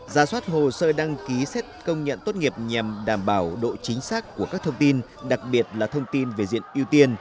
ra soát hồ sơ đăng ký xét công nhận tốt nghiệp nhằm đảm bảo độ chính xác của các thông tin đặc biệt là thông tin về diện ưu tiên